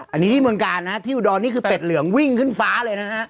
อันนี้ที่เมืองกาลนะฮะที่อุดรนี่คือเป็ดเหลืองวิ่งขึ้นฟ้าเลยนะฮะ